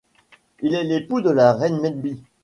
Il est l'époux de la reine Medb.